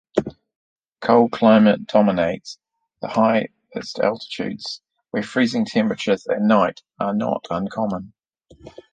Cold climates dominate the highest altitudes where freezing temperatures at night are not uncommon.